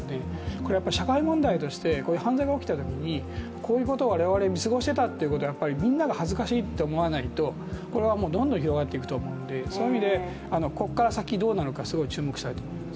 これはやっぱり社会問題としてこういう犯罪が起きたときにこういうことを我々が見過ごしてたってみんなが恥ずかしいって思わないとこれはどんどん広がっていくと思うので、そういう意味でここから先どうなるかすごい注目したいと思います。